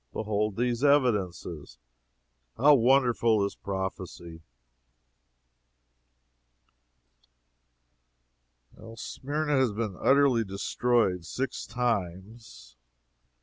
Behold these evidences! How wonderful is prophecy!" Smyrna has been utterly destroyed six times.